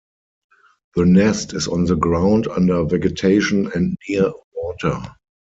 The nest is on the ground under vegetation and near water.